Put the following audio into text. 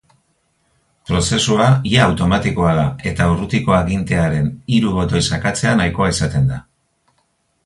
Prozesua ia automatikoa da eta urrutiko agintearen hiru botoi sakatzea nahikoa izaten da.